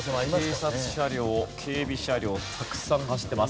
警察車両警備車両たくさん走ってます。